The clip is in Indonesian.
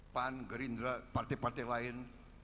pan gerindra partai partai lain